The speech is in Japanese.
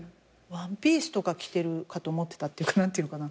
ワンピースとか着てるかと思ってたっていうか。